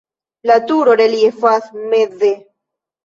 La turo reliefas meze.